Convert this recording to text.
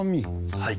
はい。